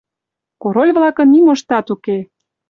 — Король-влакын нимоштат уке.